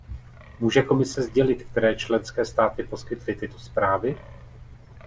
Může Komise sdělit, které členské státy poskytly tyto zprávy?